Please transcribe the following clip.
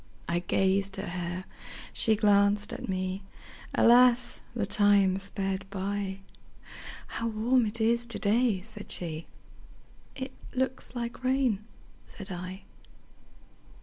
I gazed at her, she glanced at me; Alas! the time sped by:"How warm it is to day!" said she;"It looks like rain," said I.